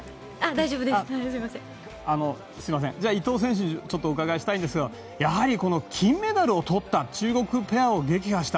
伊藤選手にお伺いしたいんですがやはり、金メダルを取った中国ペアを撃破した。